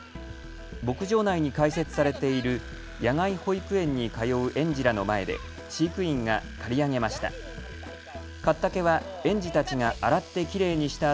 牧場内に開設されている野外保育園に通う園児らの前で飼育員が刈り上げました。